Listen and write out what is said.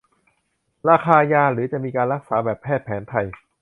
ราคายา หรือ จะมีการรักษาแบบแพทย์แผนไทย